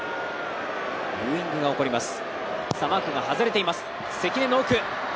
ブーイングが起こります。